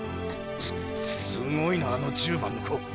すすごいなあの１０番の子。